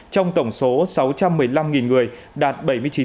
trong tổng số sáu trăm một mươi năm người đạt bảy mươi chín